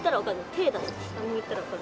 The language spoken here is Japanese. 手を出して下を向いたらわかる。